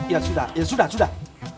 ya sudah ya sudah sudah